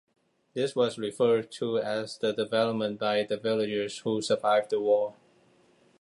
This was referred to as 'The Development' by the villagers who survived the war.